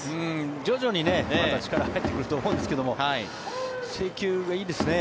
徐々に力が入ってくると思うんですが制球がいいですね。